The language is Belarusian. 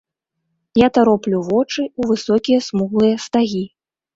Я тароплю вочы ў высокія смуглыя стагі.